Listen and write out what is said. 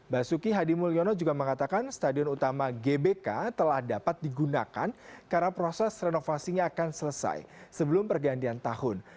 basuki hadi mulyono juga mengatakan stadion utama gbk telah dapat digunakan karena proses renovasinya akan selesai sebelum pergantian tahun